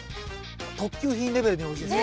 特級品レベルにおいしいです。